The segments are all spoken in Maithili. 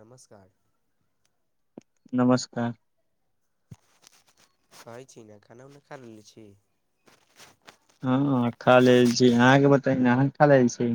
नमस्कार नमस्कार कहै छी ने खाना उना खा लेलने छी हँ खा लेल छी अहाँके बताइ न अहाँ खा लेल छी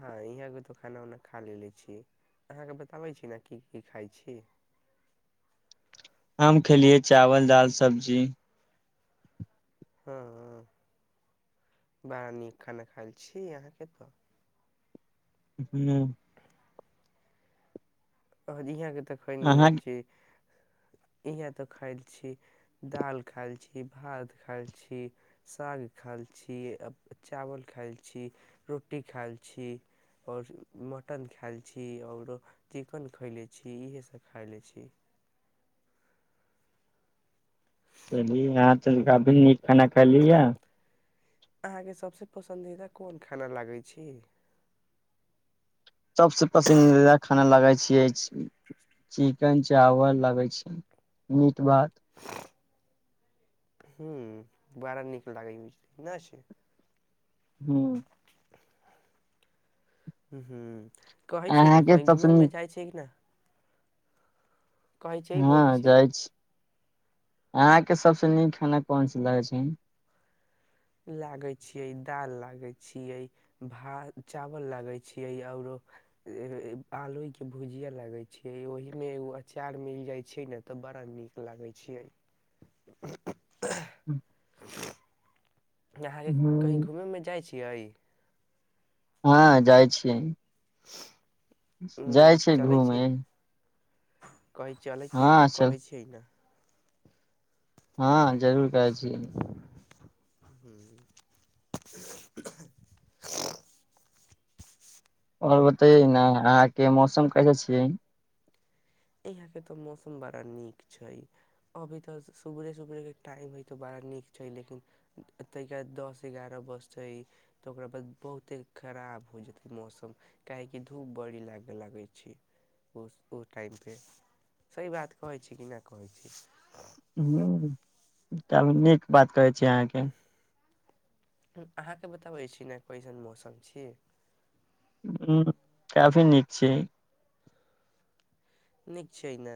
हँ इहाँ क तो खाना उना खा लेे छी अहाँके बताबै छी ने की की खाइ छी हम खेलियै चावल दाल सब्जी हँ बड़ा नीक खाना खायल छी अहाँके तऽ हूँ आ इहाँ के तऽ खयनी अहाँ अछै इहाँ तऽ खायल छी दालि खाइल छी भात खाइल छी साग खाइ छी चावल खाइल छी रोटी खाइ छी आओर मटन खााय ल छी आओर चिकेन खएले छी इएहसभ खाए ले छी चली यहाँ त काफी नीक खाना खली है अहाँके सभसँ पसन्दीदा कोन खाना लागै छी सबसॅं पसन्दीदा खाना लगै छियै चिकेन चावल लगै छै मीट भात ह्म बड़ा नीक लागै छै ना छै हुँ ह हू कहै छै ने अहाँके कहीं सबसे घूमे नीक मे जाइ छै कि न छियै बोलै हँ छियै जाइ छी अहाँके सबसॅं नीक खाना कोन सा लगै छै लागै छियै दाल लागै छियै भात चावल लागै छियै आओरो आलू के भुजिया लागे छै ओहि मे एगो अचार मिल जाय छै ने तऽ बड़ा नीक लागै छियै [inaudible] अहाँके कही हूँ, घूमै उमे जाइ छियै हँ जाइ छीयै जाइ छै घूमे कहि चलै छिये हँ तऽ चल कहै छै न हँ जरूर कहै छीय हूँ आओर बतय न अहाँ के मौसम कैसे छीयै अयहां के तऽ मौसम बड़ा नीक छै अभी तऽ सुबरे सुबरे के टाइम हइ तऽ बड़ा नीक छै लेकिन तऽ के दस एगारह बजत ह तऽ ओकरा बाद बहुते खराब हो जेतै मौसम काहेकि धूप बड़ी लाग लगै छै ओस टाइम पे सही बात कहै छी कि नहि कहै छी ह तब नीक बात कहै छी अहाँके अहाँके बताबै छी न कइसन मौसम छी ह काफी नीक छै नीक छै ने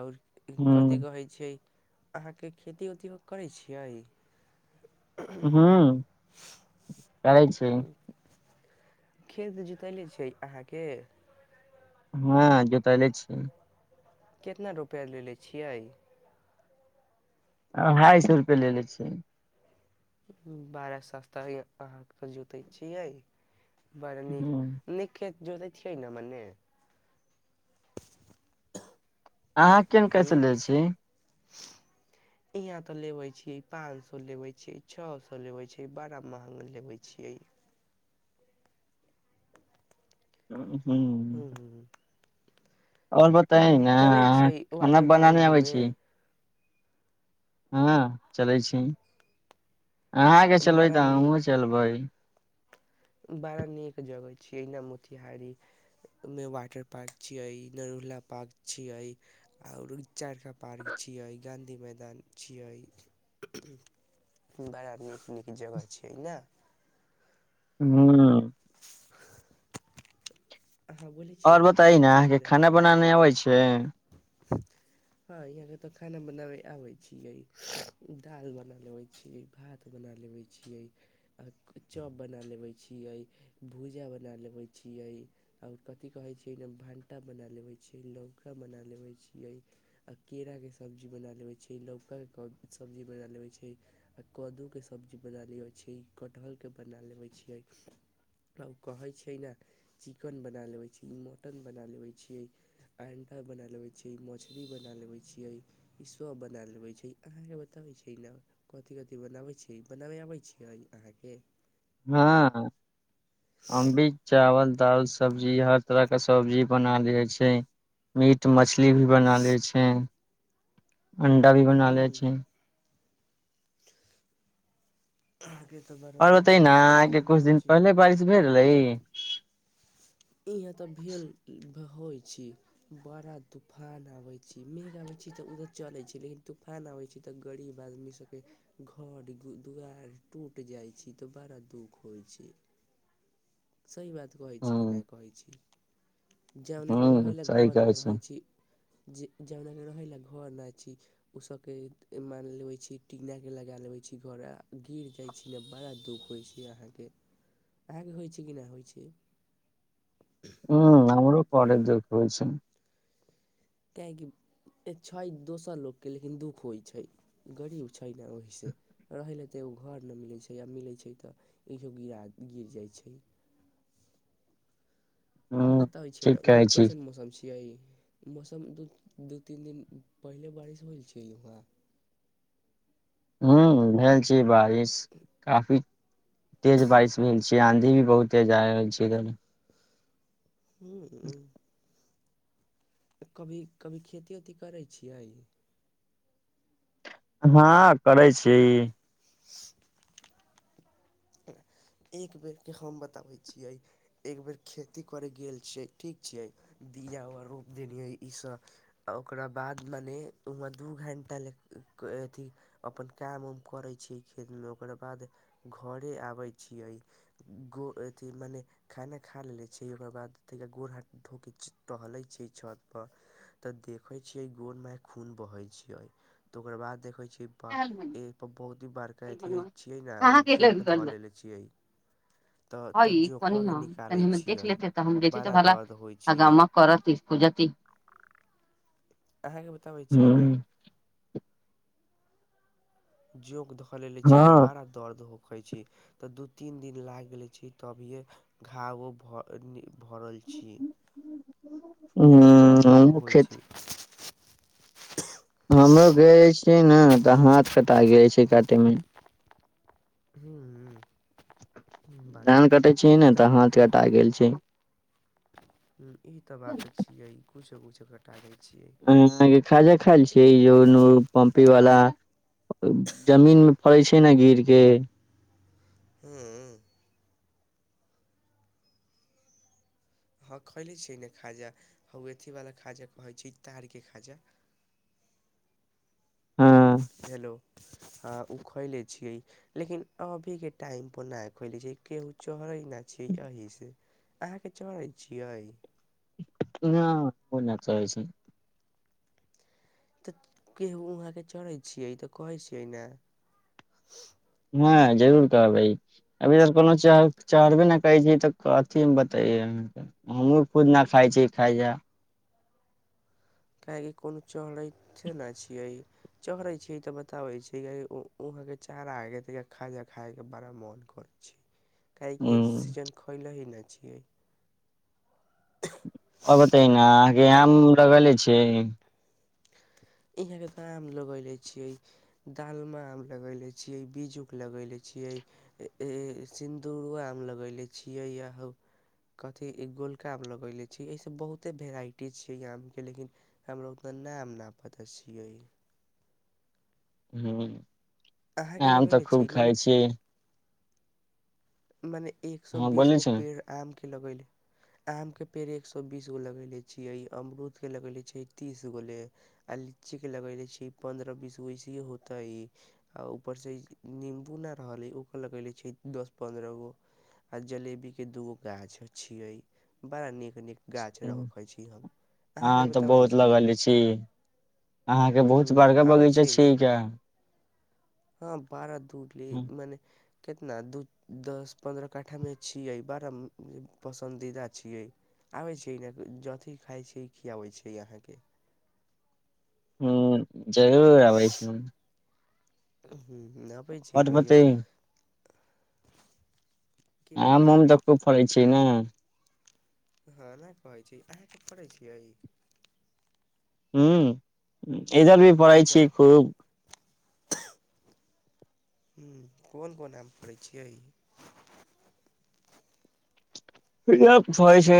आओर कथी हूँ कहै छिय अहाँके खेती ओती करै छियै हूँ करै छी खेत जोतैले छै अहाँके हँ जोतैले छी कितना रुपैआ लेलेे छियै अढ़ाई सए रुपे लेले छियै बारह सस्ता अहाँके जोतैत छियै बड़ा हूँ नीक नीक खेत जोतै छियै ने मने अहाँ केहन हू कैसे ले छी इहाँ तऽ लेबे छियै पाँच सए लेबै छियै छओ सए लेबै छ बड़ा महगा लेबै छियै हू हूँ आओर बताइ ने चलै छै खाना वाटर बनााने पार्क आबै घूमे छी हँ चलै छी अहाँके चलबै बड़ा तऽ नीक हमहू चलबै बड़ा नीक जगह छियै अना मोतिहारी मे वाटर पार्क छियै नरुला पार्क छियै आओर चारखा पार्क छियै गाँधी मैदान छियै बड़ा नीक निक जगह छै ने हँ हाँ बोली आओर बताइ न अहाँके खाना बनाने अबै छै हँ यहाँके तऽ खाना बनाबै आबै छिय दालि बना लेबै छियै भात बना लेबै छियै आ चॉप बना लेबै छियै भूजा बना लेबै छियै आओर कथि कहै छियै एहि भाण्टा बना लेबै छियै लौका बना लेबै छियै आ केरा के सब्जी बना लेबै छै लौकाके सब्जी बना लेबै छै आ कदूके सब्जी बना लेबै छियै कटहरके बना लेबै छियै कहै छै ने चिकन बना लेबै छियै मटन बना लेबै छियै अंडा बना लबै छियै मछरी बना लबै छियै ई सब बना लेबे छै अहाँ के बताबै छै न कथी कथि बनाबै छीय बनाबै आबैत छियै अहाँके हँ हम बि चावल दाल सब्जी हर तरह के सब्जी बना लेबे छियै मीट मछली मछली भी बना ले छै अंडा भी बना ले छै आहाके त बड्ड नीक नीक चीज बनाबै छियै भेलै इहाँ तऽ भेल होइ छी बड़ा तूफान आबे छी मेघ आबे छी तऽ उधर चले छै लेकिन तूफान आबे छै तऽ गरीब आदमी सबके घर दुआर टूट जाइ छी तऽ बड़ा दुख होइ छै सही बात कहै छी ह नहि कहै छी जावनाक ह रहय लेलए सही घर कहै नहि छै रहै छी जे जावनाक रहय लेलए घर नहि छी ओसभके मानि लेबै छी टनाकेँ लगाए लेबैत छी घर गिर जाइत छी ने बड़ा दुःख होइत छै आहाके आहाके होइ छै की ना होइ छै ह हमरो बरे दुख होइ छै काहेकि छै दोसर लोकके लेकिन दुःख होइ छै गरीब छै न ओहीसे रहय लेल तऽ एगो घर नहि मिलैत छै आ मिलैत छै तऽ इो गिरा गिर जाइत छै आओर ह बताबय छै ने ठीक वहाँ कहै छी कैसन मौसम छियै मौसम दू दू तीन दिन पहिले बारिश होइ छै वहाँ ह भेल छै बारिश काफी तेज बारिश भेल छी आंधी भी बहुते तेज आयल छै इधर हू ह कभी कभी खेती ओती करै छियै हँ करै छी [inaudible] एक बेरके हम बताबै छियै एक बेर खेती करै गेल छियै ठीक छियै दीज उर रोपि देलियै ईसभ आ ओकरा बाद मने ओ दू घण्टा ले अथी अपन काम उम करै छियै खेतमे ओकर बाद घरे आबै छियै गो अथी मने खाना खा लै छै ओकर बाद तनिका गोड़ हाथ धो कऽ टहलैत छै छतपर तऽ देखै छियै गोर मोहे खून बहै छियै तऽ ओकर बाद देखै छियै अहाँ बहुत ही बड़का अथी छियै ने जोंक धऽ लेने छियै तऽ तऽ हनी जोकबाके ह निकालै तनि देख छियै लेते तऽ हम जे तऽ बड़ा भला दर्द होइ छियै हगामा कर [unintelligible] हो जाति अहाँके बताबै छियै ना जोग धऽ लेले छीै तऽ ह बड़ा दर्द होैके छी तऽ दू तीन दिन लागि गेले छी तभिये घावो भऽ भरल छी लेकिन दर्द हमहु खूब होइ खेत छै हमरो गए छियै ने तऽ हाथ कटा गेल छै काटे मे हू धान कटे छीयै ने तऽ हाथ कटा गेल छै ई तऽ बाते छियै कुछो कुछो कटा गैल छियै हाँ खाजा खायल छ ईोू पमपी वला जमीन मे पड़ै छै ने गिर के हूँ हँ खयले छियै ने खाजा हौ अथीवला खाजा कहैत छी तारके खाजा हँ हेलो हँ ओ खैले छियै लेकिन अभीके टाइमपर नइ खुलै छै केहू चढ़ै नहि छै एहीसँ अहाँके चढ़े छियै न ओ ना चढ़े छिये तऽ केहू वहाँके चढ़ै छियै तऽ कहै छियै ने हँ जरूर कहबइ अभीर कोनो च चढ़बे न करै छै तऽ कथि मे बताेयहाँके हमूँ खुद न खाइ छी खाजा काहेकि कोनो चढ़े न छियै चढ़े छी तऽ बताबे छी कियिहा के चारा खा खाय के बड़ा मोन करैत छै काहेकि हूँ सीजन खोलो ही न छियै आ बते ने अहाँके आम लगले छै यहाँ के का आम लगयले छियै दालम आम लगैले छियै बज्जूके लगैले छियै ऐ ऐ ऐ सिन्दूरो आम लगले छियै या हो कथी गोलका आम लगयले छी एहिसँ बहुते वेराइटी छियै य आमके लेकिन हमरा उतना नाम न पता छियै ह अहाँ के आम तऽ लगेएले खूब छिये मने खााय छीिय मैने एक सौ हँ बीस बोलै गो छी न पेड़ आम के लगेले आम के पेड़ एक सए बीसगो लगेले छियै अमरूदके लगेले छियै तीस गो ले आ लीची के लगे रहे छै पन्द्रह बीसोै अयसे होते आ ऊपर से नम्बू न रहले ओकर लगेेले छै दस पंन्द्रह गो आ जलेबी के दूगो गाछ छीिये बड़ा नीक निक हँ तऽ बताबै बहुत छी ने लगल छी अहाँके बहुत ह्म बड़गा आबै बगीचा छियै ने छीय कऽ हँ बारह दू ले मने कितना दू दस पन्द्रह कट्ठामे छियै बड़ा पसन्दीदा छियै आबै छै ई नहि जथी खाइ छी खियाबै छै अहाँके ह जरूर अबै छै ह आबे छै कहयो बतै बोलै आम छियै उम तऽ खूब फड़ै छै ने हँ नहि कहै छी अहाँके फरै छियै हुँ इधर भी फरै तकर छीय बाद खूब हुँ कोन कोन आम फरेय छियै फरै छै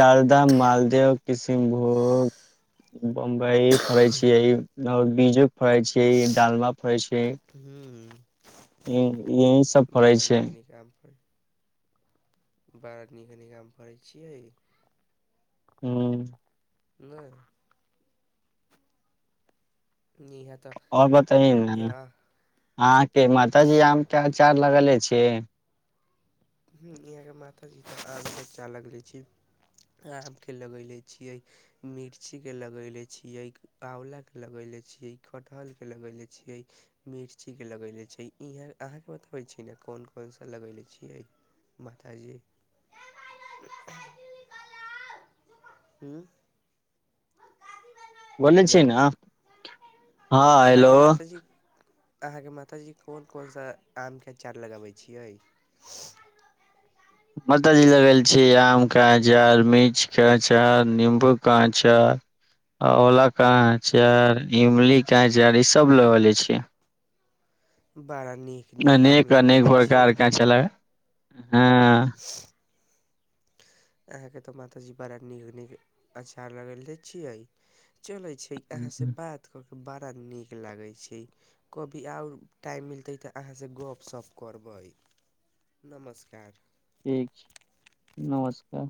जालदाह मालदेव किशमभोग बम्बई फड़ै छियैओर बीजू फड़ै छीयै डालवा फड़ै छीयै हूँ [inaudible] बड़ा छै नीक नीक आम फरै बड़ा नीक नीक आम फरै छियै हुँ नहि जयं है त आओर बताई ने अहाँके मातऽ जी आमके अचार लगले छी इहाँके माता जीके आम के अचार लगले छै आमके लगैले छियै मिर्चीक के लगैले छियै आँवलाके लगैले छियै कटहरके लगैले छियै मिर्चीके लगैले छी इहाँ अहाँके बतबै छी ने कोन कोन सा लगैले छियै माताजी हूँ बाजे हेलो छिय ने हँ हेलो अहाँके मात जी अहाँके माताजी कोन कोन सा आमके अँचार लगाबै छियै माता चीज लगल छीयै आमके अचार मिर्च के अचार निम्बूके अचार आंवला के अचार इमलीे के अचार ईसभ लगेंने छियै बड़ा नीक नीक आम लगले छियै अच्छा लागल हँ [inaudible] अहाँके तऽ माताजी बड़ा नीक नीक अचार लगलै छियै चलै छै अहाँसँ बात कऽ के बड़ा नीक लागै छै कभी आओर टाइम मिलतै तऽ अहाँसँ गप सप करबै नमस्कार ठीक छै नमस्कार